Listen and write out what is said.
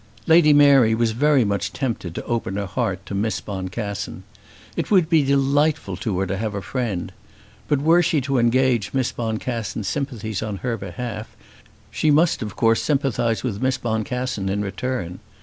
Lady Mary was very much tempted to open her heart to Miss Boncassen. It would be delightful to her to have a friend; but were she to engage Miss Boncassen's sympathies on her behalf, she must of course sympathise with Miss Boncassen in return.